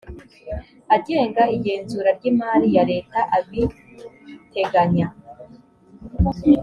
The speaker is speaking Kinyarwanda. agenga igenzura ry imari ya leta abiteganya